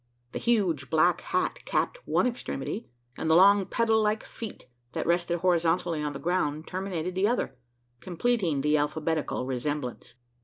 The huge black hat capped one extremity; and the long pedal like feet that rested horizontally on the ground terminated the other, completing the alphabetical resemblance.